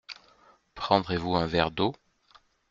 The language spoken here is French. Prendrez-vous un verre d’eau.